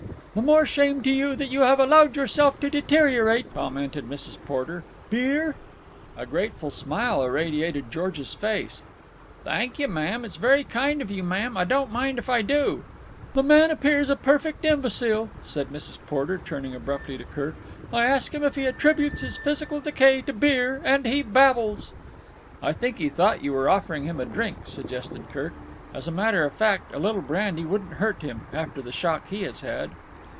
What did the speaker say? "The more shame to you that you have allowed yourself to deteriorate," commented Mrs. Porter. "Beer?" A grateful smile irradiated George's face. "Thank you, ma'am. It's very kind of you, ma'am. I don't mind if I do." "The man appears a perfect imbecile," said Mrs. Porter, turning abruptly to Kirk. "I ask him if he attributes his physical decay to beer and he babbles." "I think he thought you were offering him a drink," suggested Kirk. "As a matter of fact, a little brandy wouldn't hurt him, after the shock he has had."